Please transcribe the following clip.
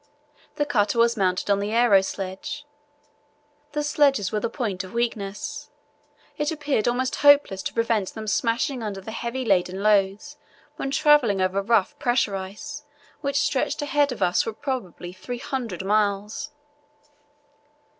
The cutter was mounted on the aero sledge. The sledges were the point of weakness. It appeared almost hopeless to prevent them smashing under their heavy loads when travelling over rough pressure ice which stretched ahead of us for probably 300 miles.